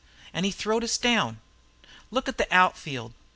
An' he throwed us down. Look at the out field.